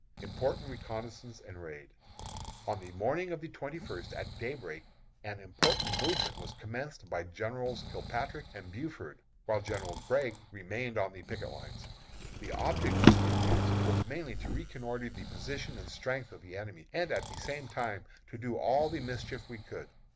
IMPORTANT RECONNOISSANCE AND RAID. On the morning of the twenty first, at day break, an important movement was commenced by Generals Kilpatrick and Buford, while General Gregg remained on the picket lines. The object of the advance was mainly to reconnoitre the position and strength of the enemy, and at the same time to do all the mischief we could.